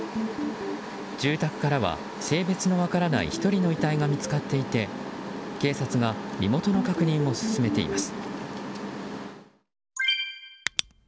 住宅からは性別の分からない１人の遺体が見つかっていて警察が身元の確認を進めています。